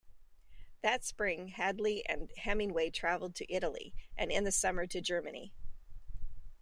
That spring Hadley and Hemingway traveled to Italy, and in the summer to Germany.